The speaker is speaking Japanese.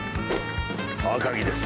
赤城です。